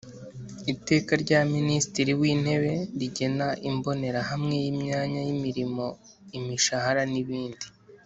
iteka rya minisitiri w intebe rigena imbonerahamwe y imyanya y imirimo imishahara n ibindi